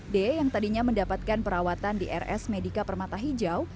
d yang tadinya mendapatkan perawatan di rs medika permata hijau